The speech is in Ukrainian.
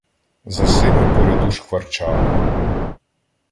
За сими по ряду шкварчали